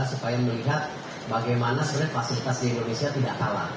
supaya melihat bagaimana sebenarnya fasilitas di indonesia tidak kalah